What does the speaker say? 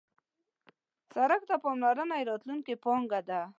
سړک ته پاملرنه د راتلونکي پانګه ده.